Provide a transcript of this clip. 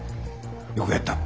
よくやった。